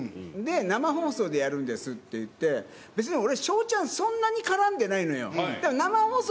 生放送でやるんですって言って、別に俺、ＳＨＯＷちゃん、そんなに絡んでないのよ。